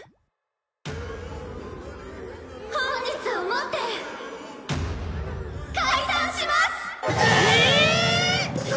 本日をもって解散します！ええーっ！？